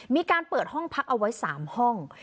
มีการเปิดห้องพักเอาไว้๓ห้อง